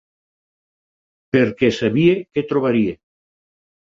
Perquè sabia què trobaria.